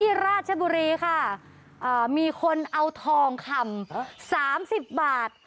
ที่ราชบุรีค่ะเอ่อมีคนเอาทองคำสามสิบบาท